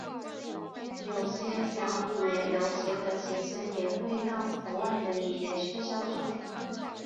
有些想语言游学的学生也会到国外的语言学校就读。